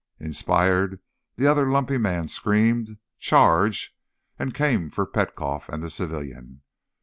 Inspired, the other lumpy man screamed "Charge!" and came for Petkoff and the civilian.